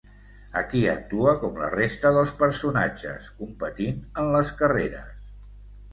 Aquí actua com la resta dels personatges, competint en les carreres.